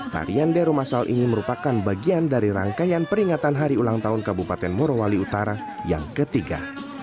tarian dero masal ini merupakan bagian dari rangkaian peringatan hari ulang tahun kabupaten morowali utara yang ketiga